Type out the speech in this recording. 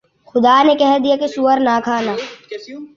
خدا نے کہہ دیا کہ سؤر نہ کھانا